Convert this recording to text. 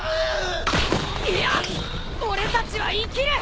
いや俺たちは生きる！